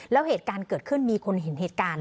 แล้วเหตุการณ์เกิดขึ้นมีคนเห็นเหตุการณ์